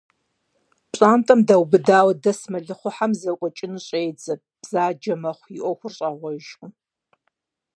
Пщӏантӏэм даубыдауэ дэс мэлыхъуэхьэм зэкӀуэкӀын щӀедзэ, бзаджэ мэхъу, и Ӏуэхур щӀагъуэжкъым.